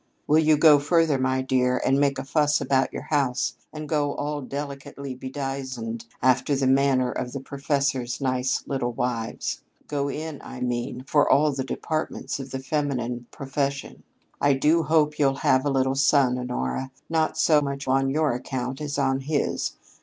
Will you go further, my dear, and make a fuss about your house and go all delicately bedizened after the manner of the professors' nice little wives go in, I mean, for all the departments of the feminine profession? "I do hope you'll have a little son, Honora, not so much on your account as on his.